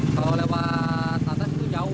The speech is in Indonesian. kalau lewat atas itu jauh